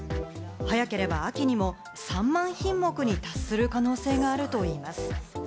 早ければ秋にも３万品目に達する可能性があるといいます。